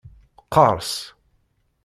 Qqers.